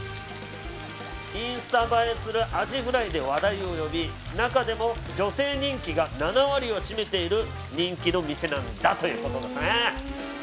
インスタ映えするアジフライで話題を呼び中でも女性人気が７割を占めている人気の店なんだという事ですね。